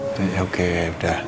oke ya udah